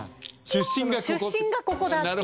出身がここだ。